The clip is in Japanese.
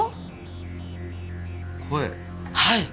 はい。